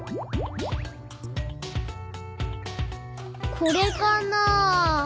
これかな？